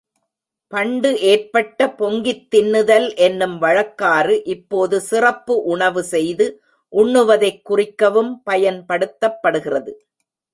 பண்டு ஏற்பட்ட பொங்கித் தின்னுதல் என்னும் வழக்காறு, இப்போது சிறப்பு உணவு செய்து உண்ணுவதைக் குறிக்கவும் பயன் படுத்தப்படுகிறது.